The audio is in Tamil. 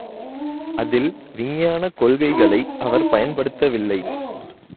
அதில் விஞ்ஞானக் கொள்கைகளை அவர் பயன்படுத்தவில்லை.